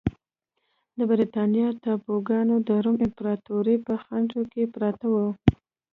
د برېټانیا ټاپوګان د روم امپراتورۍ په څنډو کې پراته وو